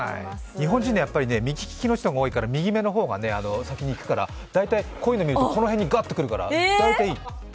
日本人って右利きの人が多いから右の方が目に入るから、大体こういうのを見るとこの辺にがっといくからいい。